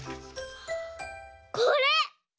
これ！